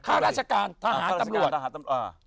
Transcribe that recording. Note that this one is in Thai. ข้าราชการทหารตำรวจ